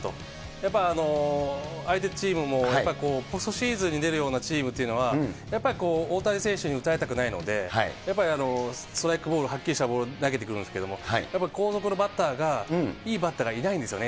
やっぱり相手チームもポストシーズンに出るようなチームっていうのは、やっぱり大谷選手に打たれたくないので、やっぱりストライクボール、はっきりしたボールを投げてくるんですけども、やっぱり後続のバッターがいいバッターがいないんですよね。